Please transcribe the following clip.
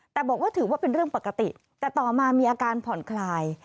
แต่บอกว่าถือว่าเป็นเรื่องปกติแต่ต่อมามีอาการผ่อนคลาย